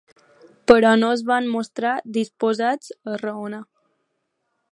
Però no es van mostrar disposats a raonar.